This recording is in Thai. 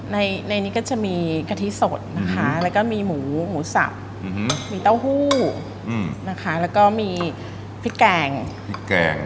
ในนี้ก็จะมีกะทิสดนะคะแล้วก็มีหมูหมูสับมีเต้าหู้นะคะแล้วก็มีพริกแกงพริกแกง